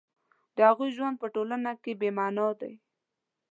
د هغوی ژوند په ټولنه کې بې مانا دی